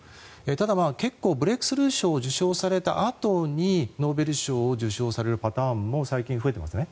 ただ、結構、ブレークスルー賞を受賞されたあとにノーベル賞を受賞されるパターンも最近増えていますね。